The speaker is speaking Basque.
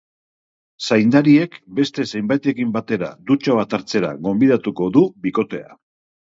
Zaindariek beste zenbaitekin batera dutxa bat hartzera gonbidatuko du bikotea.